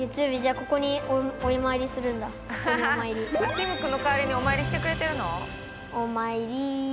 ティムくんの代わりにお参りしてくれてるの？